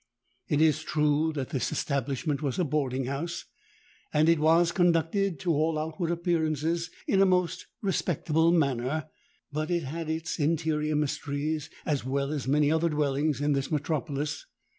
It is true that this establishment was a boarding house; and it was conducted to all outward appearances, in a most respectable manner. But it had its interior mysteries as well as many other dwellings in this metropolis.